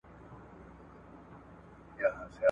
هغه څوک چې تل مسموم کیږي، باید خپل د پخلي ځای بدل کړي.